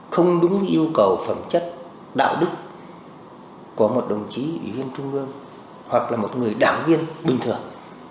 không đúng với yêu cầu phẩm chất đạo đức của một đồng chí ủy viên trung ương hoặc là một người đảng viên bình thường